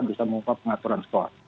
bisa mengungkap pengaturan skor